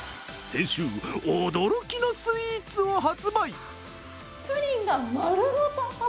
先週、驚きのスイーツを発売。